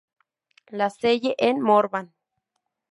La Celle-en-Morvan